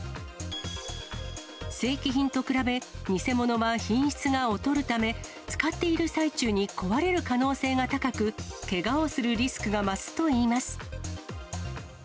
正規品と比べ、偽物は品質が劣るため、使っている最中に壊れる可能性が高く、けがをするリスクが増すといいます。